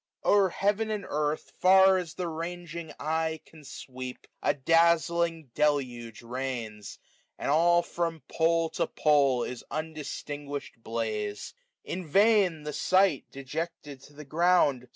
O'er heaven and earth, far as die ranging eye Can sweep, a dazling deluge reigns ; and all 435 From pole to pole is undistinguish'd bla2e« In vain the sight, dejected to the ground.